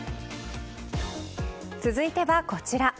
続いては、こちら。